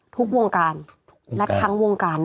ทุกวงการและทั้งวงการ